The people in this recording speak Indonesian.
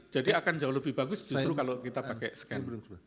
jadi akan jauh lebih bagus justru kalau kita pakai scan